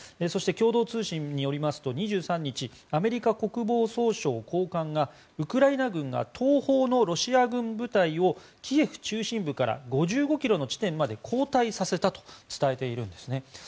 そして共同通信によりますと２３日アメリカ国防総省高官がウクライナ軍が東方のロシア軍部隊をキエフ中心部から５５ｋｍの地点まで後退させたと伝えているんですね。